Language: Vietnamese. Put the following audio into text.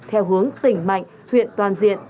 theo hướng tỉnh mạnh huyện toàn diện